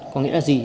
có nghĩa là gì